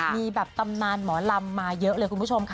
มีแบบตำนานหมอลำมาเยอะเลยคุณผู้ชมค่ะ